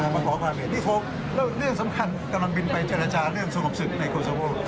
แล้วเรื่องสำคัญกำลังบินไปจรจาเรื่องส่งของสึกในโครโซโว